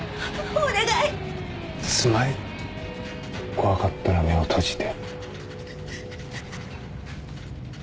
怖かったら目を閉じて。